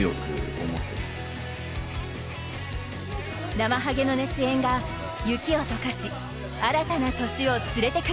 ナマハゲの熱演が雪を溶かし新たな年を連れて来る